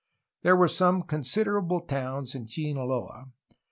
There were some considerable towns in Sinaloa.